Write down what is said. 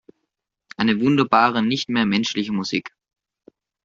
Eine wunderbare, nicht mehr menschliche Musik!